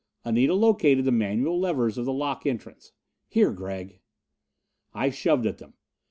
Anita located the manual levers of the lock entrance. "Here, Gregg." I shoved at them.